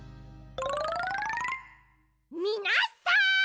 みなさん！